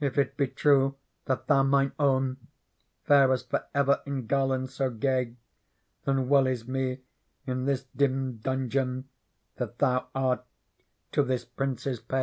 If it be true that thoUj._mijie own, Farest for ever in garlands so gay, Then well is me in this dim dungeon That thou art to this Prince's pay."